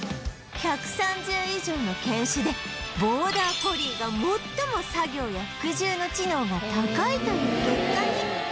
１３０以上の犬種でボーダー・コリーが最も作業や服従の知能が高いという結果に